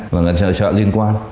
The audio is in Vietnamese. là người sợ sợ liên quan